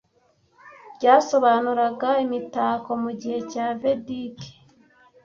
ryasobanuraga imitako mugihe cya Vediki,